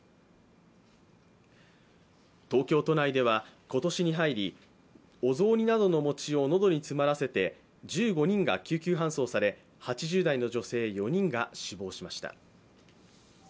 東京都内では今年に入り、お雑煮などの餅を喉に詰まらせて１５人が救急搬送され、８０代の女性４人が死亡しました。